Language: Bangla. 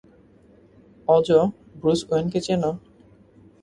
অজ, ব্রুস ওয়েনকে চেনো?